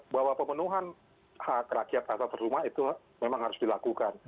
bahwa pemenuhan hak rakyat atas rumah itu memang harus dilakukan